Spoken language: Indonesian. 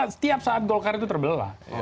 setiap saat golkar itu terbelah